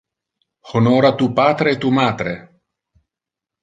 Honora tu patre e tu matre.